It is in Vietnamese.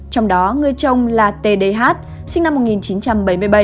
trong đó người chồng là t d h sinh năm một nghìn chín trăm bảy mươi bảy